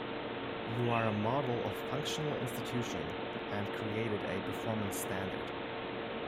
You are a model of functional institution and created a performance standard.